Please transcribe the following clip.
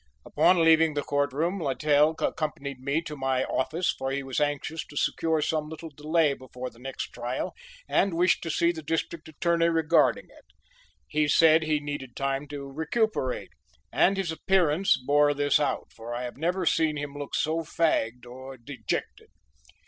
Upon leaving the court room, Littell accompanied me to my office, for he was anxious to secure some little delay before the next trial and wished to see the District Attorney regarding it. He said he needed time to recuperate and his appearance bore this out, for I had never seen him look so fagged or dejected.